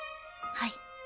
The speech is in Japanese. はい。